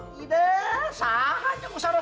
tidak sahan nyengus sahan